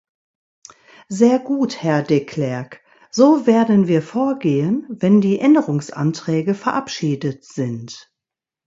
Sehr gut, Herr de Clercq, so werden wir vorgehen, wenn die Änderungsanträge verabschiedet sind.